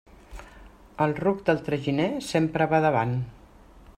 El ruc del traginer sempre va davant.